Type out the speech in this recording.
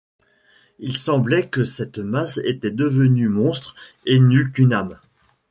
Il semblait que cette masse était devenue monstre et n’eût qu’une âme.